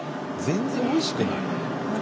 全然おいしくない？